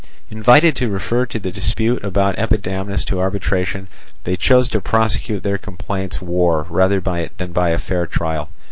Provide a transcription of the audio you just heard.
Invited to refer the dispute about Epidamnus to arbitration, they chose to prosecute their complaints war rather than by a fair trial.